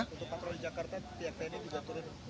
untuk patroli jakarta pihak tni juga turun